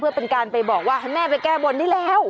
เพื่อเป็นการไปบอกว่าให้แม่ไปแก้บนได้แล้ว